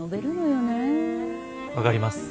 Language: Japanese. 分かります。